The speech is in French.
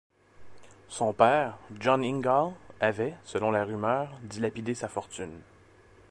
Son père, John Ingall, avait, selon la rumeur, dilapidé sa fortune.